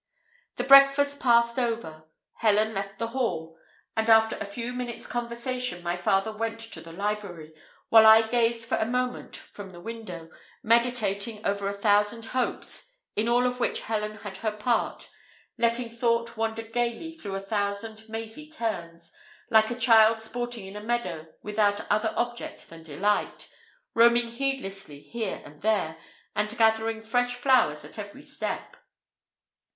The breakfast passed over. Helen left the hall; and after a few minutes' conversation, my father went to the library, while I gazed for a moment from the window, meditating over a thousand hopes, in all of which Helen had her part letting thought wander gaily through a thousand mazy turns, like a child sporting in a meadow without other object than delight, roaming heedlessly here and there, and gathering fresh flowers at every step.